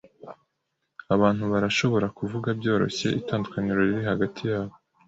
Abantu barashobora kuvuga byoroshye itandukaniro riri hagati yabo.